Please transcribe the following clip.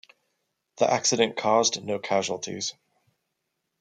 The accident caused no casualties.